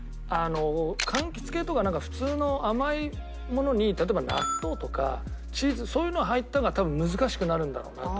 柑橘系とか普通の甘いものに例えば納豆とかチーズそういうのが入った方が多分難しくなるんだろうなと。